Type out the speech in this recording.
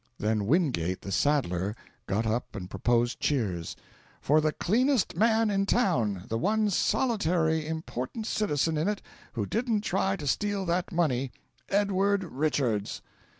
Then Wingate, the saddler, got up and proposed cheers "for the cleanest man in town, the one solitary important citizen in it who didn't try to steal that money Edward Richards."